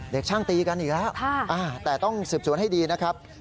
เด็กช่างตีกันอีกแล้วแต่ต้องสืบสวนให้ดีนะครับ